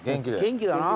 元気だな。